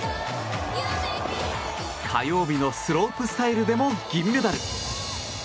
火曜日のスロープスタイルでも銀メダル。